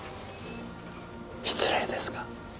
失礼ですが。